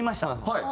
はい。